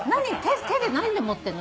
手で何で持ってんの？